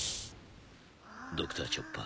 ドクターチョッパー。